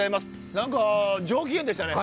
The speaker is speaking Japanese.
何か上機嫌でしたね。